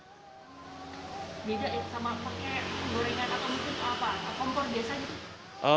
beda sama pakai gorengan atau kompor biasanya